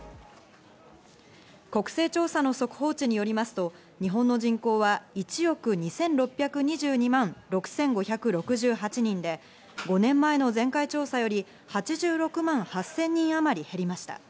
国勢調査の速報値によりますと、日本の人口は１億２６２２万６５６８人で、５年前の前回調査より８６万８０００人あまり減りました。